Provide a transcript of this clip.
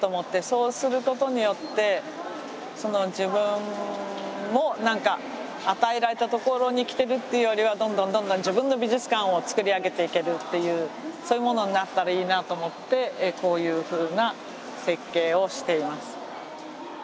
そうすることによって自分も何か与えられたところに来てるっていうよりはどんどんどんどん自分の美術館を作り上げていけるっていうそういうものになったらいいなと思ってこういうふうな設計をしています。